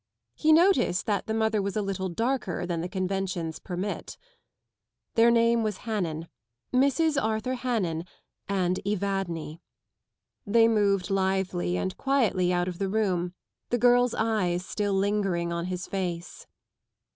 He noticed that the mother was a little darker than the conventions permit. fTheir name was HannanŌĆö Mrs. Arthur Hannan and Evadne. They moved lithely and quietly out of the room, the girl's eyes stilt lingering on his face.